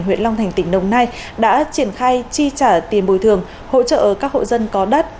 huyện long thành tỉnh đồng nai đã triển khai chi trả tiền bồi thường hỗ trợ các hộ dân có đất